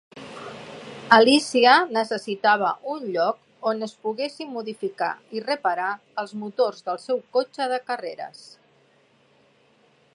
Alícia necessitava un lloc on es poguessin modificar i reparar els motors del seu cotxe de carreres.